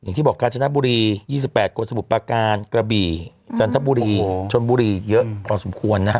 อย่างที่บอกกาญจนบุรี๒๘คนสมุทรประการกระบี่จันทบุรีชนบุรีเยอะพอสมควรนะฮะ